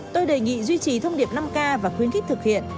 tôi đề nghị duy trì thông điệp năm k và khuyến khích thực hiện